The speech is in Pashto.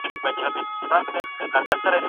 صحابیاتو به څنګه صدقې ورکولې؟